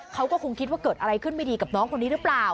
เขาก็คงคิดว่าเกิดอะไรขึ้นไม่ดีกับน้องคนนี้หรือเปล่า